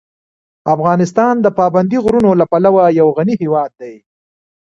افغانستان د پابندي غرونو له پلوه یو غني هېواد دی.